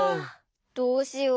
どうしよう